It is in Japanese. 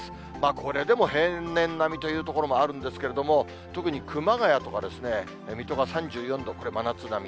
これでも平年並みという所もあるんですけれども、特に熊谷とか、水戸が３４度、これ、真夏並み。